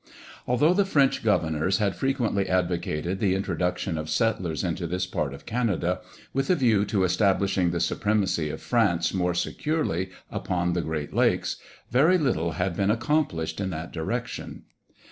Although the French governors had frequently advocated the introduction of settlers into this part of Canada, with a view to establishing the supremacy of France more securely upon the Great Lakes, very little had been accomplished in that direction.